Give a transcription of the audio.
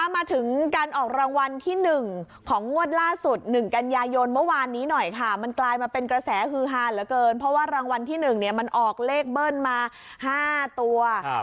มาถึงการออกรางวัลที่๑ของงวดล่าสุด๑กันยายนเมื่อวานนี้หน่อยค่ะมันกลายมาเป็นกระแสฮือฮานเหลือเกินเพราะว่ารางวัลที่๑มันออกเลขเบิ้ลมา๕ตัว